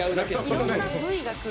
いろんなＶが来る。